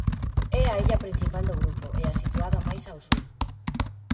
É a illa principal do grupo e a situada máis ao sur.